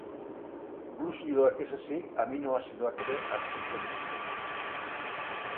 Gluzidoak ez ezik, aminoazidoak ere hartzitzen ditu.